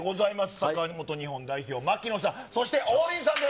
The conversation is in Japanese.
サッカー元日本代表、槙野さん、そして王林さんです。